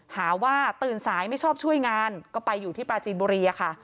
หาว่าตื่นสายไม่ชอบช่วยงานก็ไปอยู่ที่ปราจีนบุรีอะค่ะ